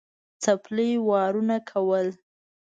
څپلۍ وارونه کول.